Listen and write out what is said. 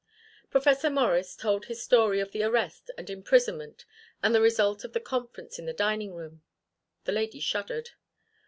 Professor Morris told his story of the arrest and imprisonment and the result of the conference in the dining room. The lady shuddered.